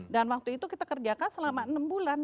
dan waktu itu kita kerjakan selama enam bulan